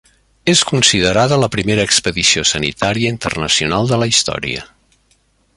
És considerada la primera expedició sanitària internacional de la història.